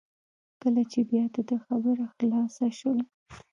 کله چې بیا د ده خبره خلاصه شول.